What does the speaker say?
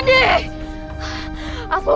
ini penggridir ku